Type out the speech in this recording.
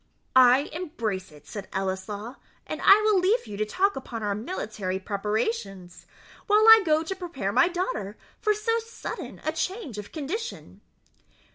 "I embrace it," said Ellieslaw; "and I will leave you to talk upon our military preparations, while I go to prepare my daughter for so sudden a change of condition."